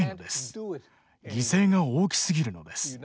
犠牲が大きすぎるのです。